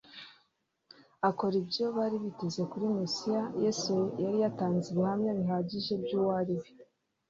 akora ibyo bari biteze kuri Mesiya, Yesu yari atanze ibihamva bihagije by'uwo ari we.